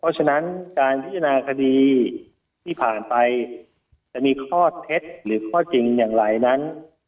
เพราะฉะนั้นการพิจารณาคดีที่ผ่านไปจะมีข้อเท็จจริงหรือข้อจริงอย่างไรนั้น